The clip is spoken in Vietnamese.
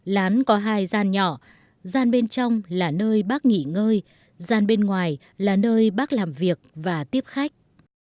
lán có hai gian nhỏ gian bên trong là nơi bác nghỉ ngơi gian bên ngoài là nơi bác làm việc và tiếp khách